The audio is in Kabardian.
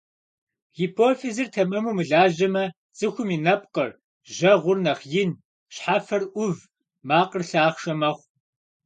Гипофизыр тэмэму мылажьэмэ, цӀыхум и нэпкъыр, жьэгъур нэхъ ин, щхьэфэр Ӏув, макъыр лъахъшэ мэхъу.